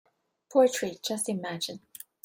Poetry, just imagine!